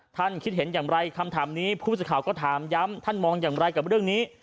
คิดเห็นอย่างไรคำถามนี้ผู้สื่อข่าวก็ถามย้ำท่านมองอย่างไรกับเรื่องนี้